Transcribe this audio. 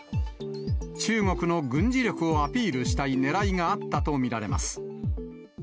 中国の軍事力をアピールしたいねらいがあったと見られます。